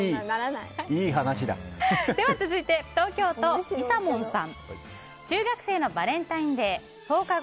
続いて東京都の方。中学生のバレンタインデー